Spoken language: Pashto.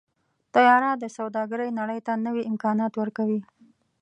طیاره د سوداګرۍ نړۍ ته نوي امکانات ورکوي.